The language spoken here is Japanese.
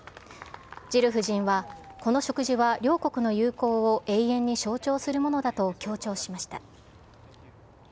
ジル夫人は、この植樹は両国の友好を永遠に象徴するものだと強調しました。